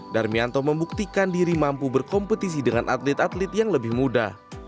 darmianto membuktikan diri mampu berkompetisi dengan atlet atlet yang lebih muda